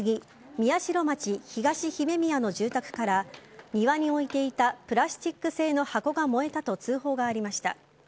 宮代町東姫宮の住宅から庭に置いていたプラスチック製の箱が燃えたと通報がありました。